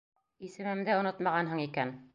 Исемемде онотмағанһың икән.